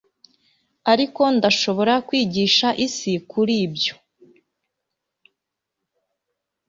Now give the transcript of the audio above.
ariko ndashobora kwigisha isi kuri ibyo